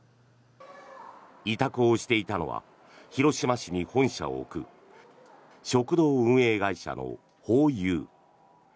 委託をしていたのは広島市に本社を置く食堂運営会社のホーユー。